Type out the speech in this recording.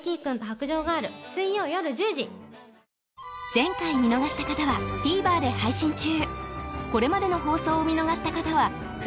前回見逃した方はＴＶｅｒで配信中